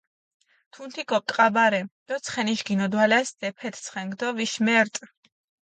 თუნთი გოპტყაბარე დო ცხენიშ გინოდვალას დეფეთჷ ცხენქ დო ვიშ მერტჷ.